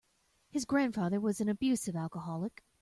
His grandfather was an abusive alcoholic.